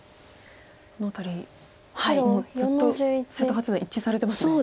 この辺りもうずっと瀬戸八段一致されてますよね。